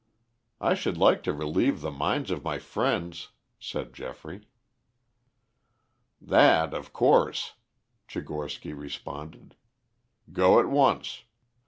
"I should like to relieve the minds of my friends," said Geoffrey. "That of course," Tchigorsky responded. "Go at once.